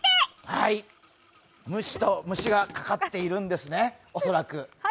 はい、無視と虫がかかっているんですね、恐らく。